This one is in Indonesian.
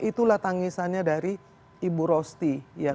itulah tangisannya dari ibu rosti